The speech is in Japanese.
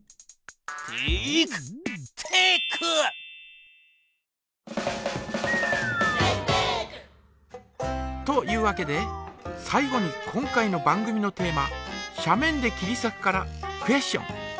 「テイクテック」！というわけで最後に今回の番組のテーマ「斜面できりさく」からクエスチョン。